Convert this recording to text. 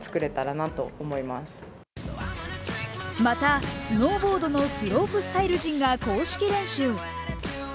また、スノーボードのスロープスタイル陣が公式練習。